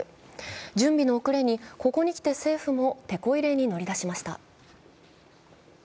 準備の遅れに、ここにきて政府もてこ入れに乗り出しました。